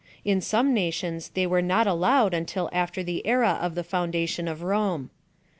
In some nations they were not allowed until after the era of the foundation of Rome.